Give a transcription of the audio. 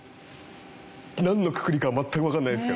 なんのくくりかは全くわかんないですけど。